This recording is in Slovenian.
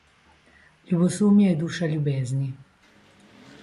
Ljubosumje je duša ljubezni.